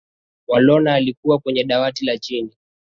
woolner alikuwa kwenye dawati la chini